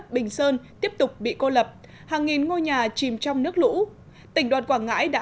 bình sơn tiếp tục bị cô lập hàng nghìn ngôi nhà chìm trong nước lũ tỉnh đoàn quảng ngãi đã